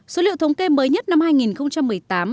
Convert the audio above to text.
số liệu thống kê mới nhất năm hai nghìn một mươi tám